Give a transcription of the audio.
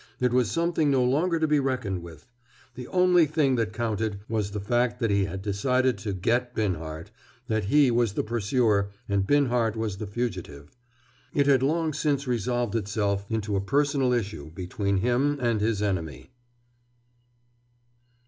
It was something no longer to be reckoned with. The only thing that counted was the fact that he had decided to "get" Binhart, that he was the pursuer and Binhart was the fugitive. It had long since resolved itself into a personal issue between him and his enemy.